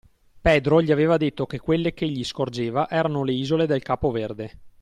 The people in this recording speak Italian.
Pedro gli aveva detto che quelle ch'egli scorgeva erano le isole del Capo Verde.